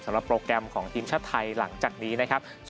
โปรแกรมของทีมชาติไทยหลังจากนี้นะครับ